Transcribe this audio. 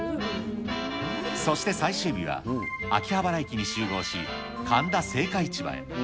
そして最終日は、秋葉原駅に集合し、神田青果市場へ。